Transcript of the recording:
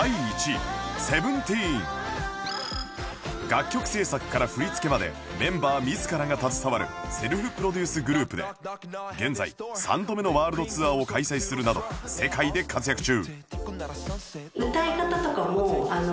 楽曲制作から振り付けまでメンバー自らが携わるセルフプロデュースグループで現在３度目のワールドツアーを開催するなど世界で活躍中